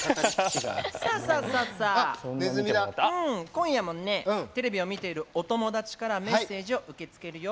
今夜もねテレビを見ているお友達からメッセージを受け付けるよ。